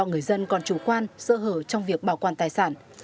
người dân còn chủ quan sơ hở trong việc bảo quản tài sản